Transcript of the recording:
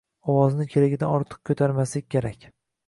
Ovozni keragidan ortiq ko‘tarmaslik kerak.